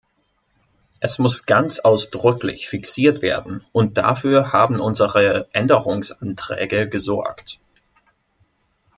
Es muss ganz ausdrücklich fixiert werden, und dafür haben unsere Änderungsanträge gesorgt.